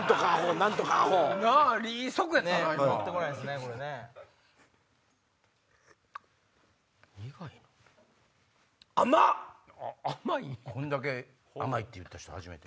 こんだけ甘いって言った人初めて。